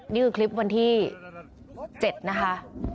นี่คือคลิปวันที่๗นะคะ